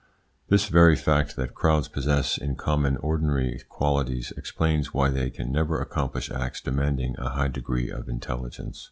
This very fact that crowds possess in common ordinary qualities explains why they can never accomplish acts demanding a high degree of intelligence.